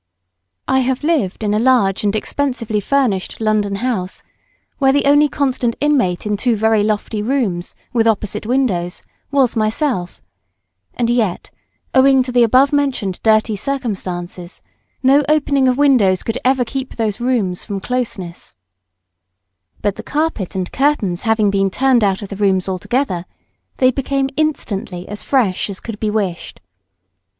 I have lived in a large and expensively furnished London house, where the only constant inmate in two very lofty rooms, with opposite windows, was myself, and yet, owing to the above mentioned dirty circumstances, no opening of windows could ever keep those rooms free from closeness; but the carpet and curtains having been turned out of the rooms altogether, they became instantly as fresh as could be wished.